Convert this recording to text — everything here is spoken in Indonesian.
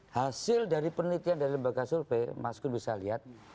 hasil dari penelitian dari lembaga survei mas gun bisa lihat